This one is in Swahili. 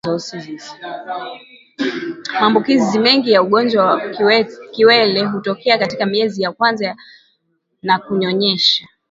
Maambukizi mengi ya ugonjwa wa kiwele hutokea katika miezi ya kwanza ya kunyonyesha